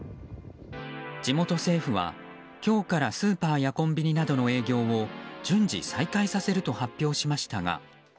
地元政府は今日からスーパーやコンビニなどの営業を順次再開させると発表しましたが。